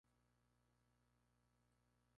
Los efectos de la entropía son ignorados.